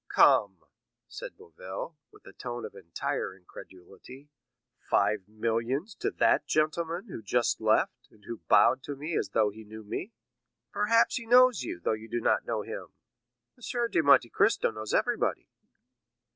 "Come," said Boville, with a tone of entire incredulity, "five millions to that gentleman who just left, and who bowed to me as though he knew me?" "Perhaps he knows you, though you do not know him; M. de Monte Cristo knows everybody."